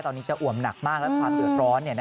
ตอนนี้จะอ่วมหนักมากและความเดือดร้อน